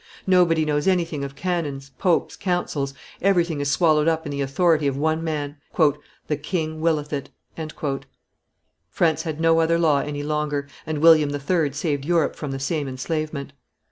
Nobody knows anything of canons, popes, councils; everything is swallowed up in the authority of one man." "The king willeth it:" France had no other law any longer; and William III. saved Europe from the same enslavement.